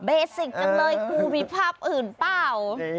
สิกจังเลยครูมีภาพอื่นเปล่า